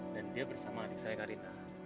dan dia bersama adik saya karina